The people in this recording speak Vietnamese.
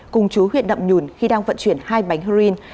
cùng chú huyện nậm nhùn khi đang vận chuyển hai bánh heroin